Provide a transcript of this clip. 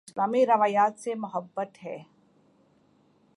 اسلامی روایات سے محبت ہے